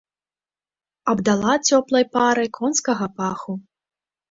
Абдала цёплай парай конскага паху.